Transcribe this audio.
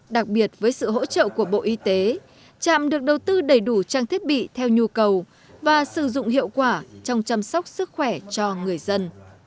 đặc biệt với sự hỗ trợ của bộ y tế trạm được đầu tư đầy đủ trang thiết bị theo nhu cầu và sử dụng hiệu quả trong chăm sóc sức khỏe cho người dân